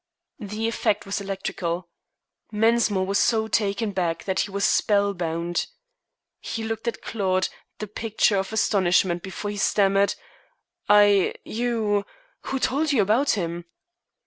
The effect was electrical. Mensmore was so taken back that he was spellbound. He looked at Claude, the picture of astonishment, before he stammered: "I you who told you about him?"